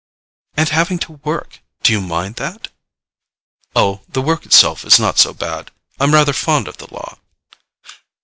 "And having to work—do you mind that?" "Oh, the work itself is not so bad—I'm rather fond of the law."